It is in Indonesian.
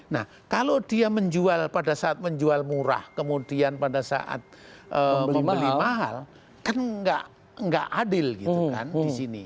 nah kalau dia menjual pada saat menjual murah kemudian pada saat membeli mahal kan nggak adil gitu kan di sini